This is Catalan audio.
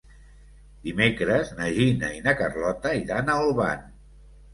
Dimecres na Gina i na Carlota iran a Olvan.